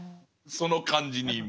その感じに今。